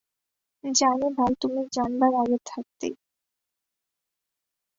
জানি ভাই, তুমি জানবার আগে থাকতেই।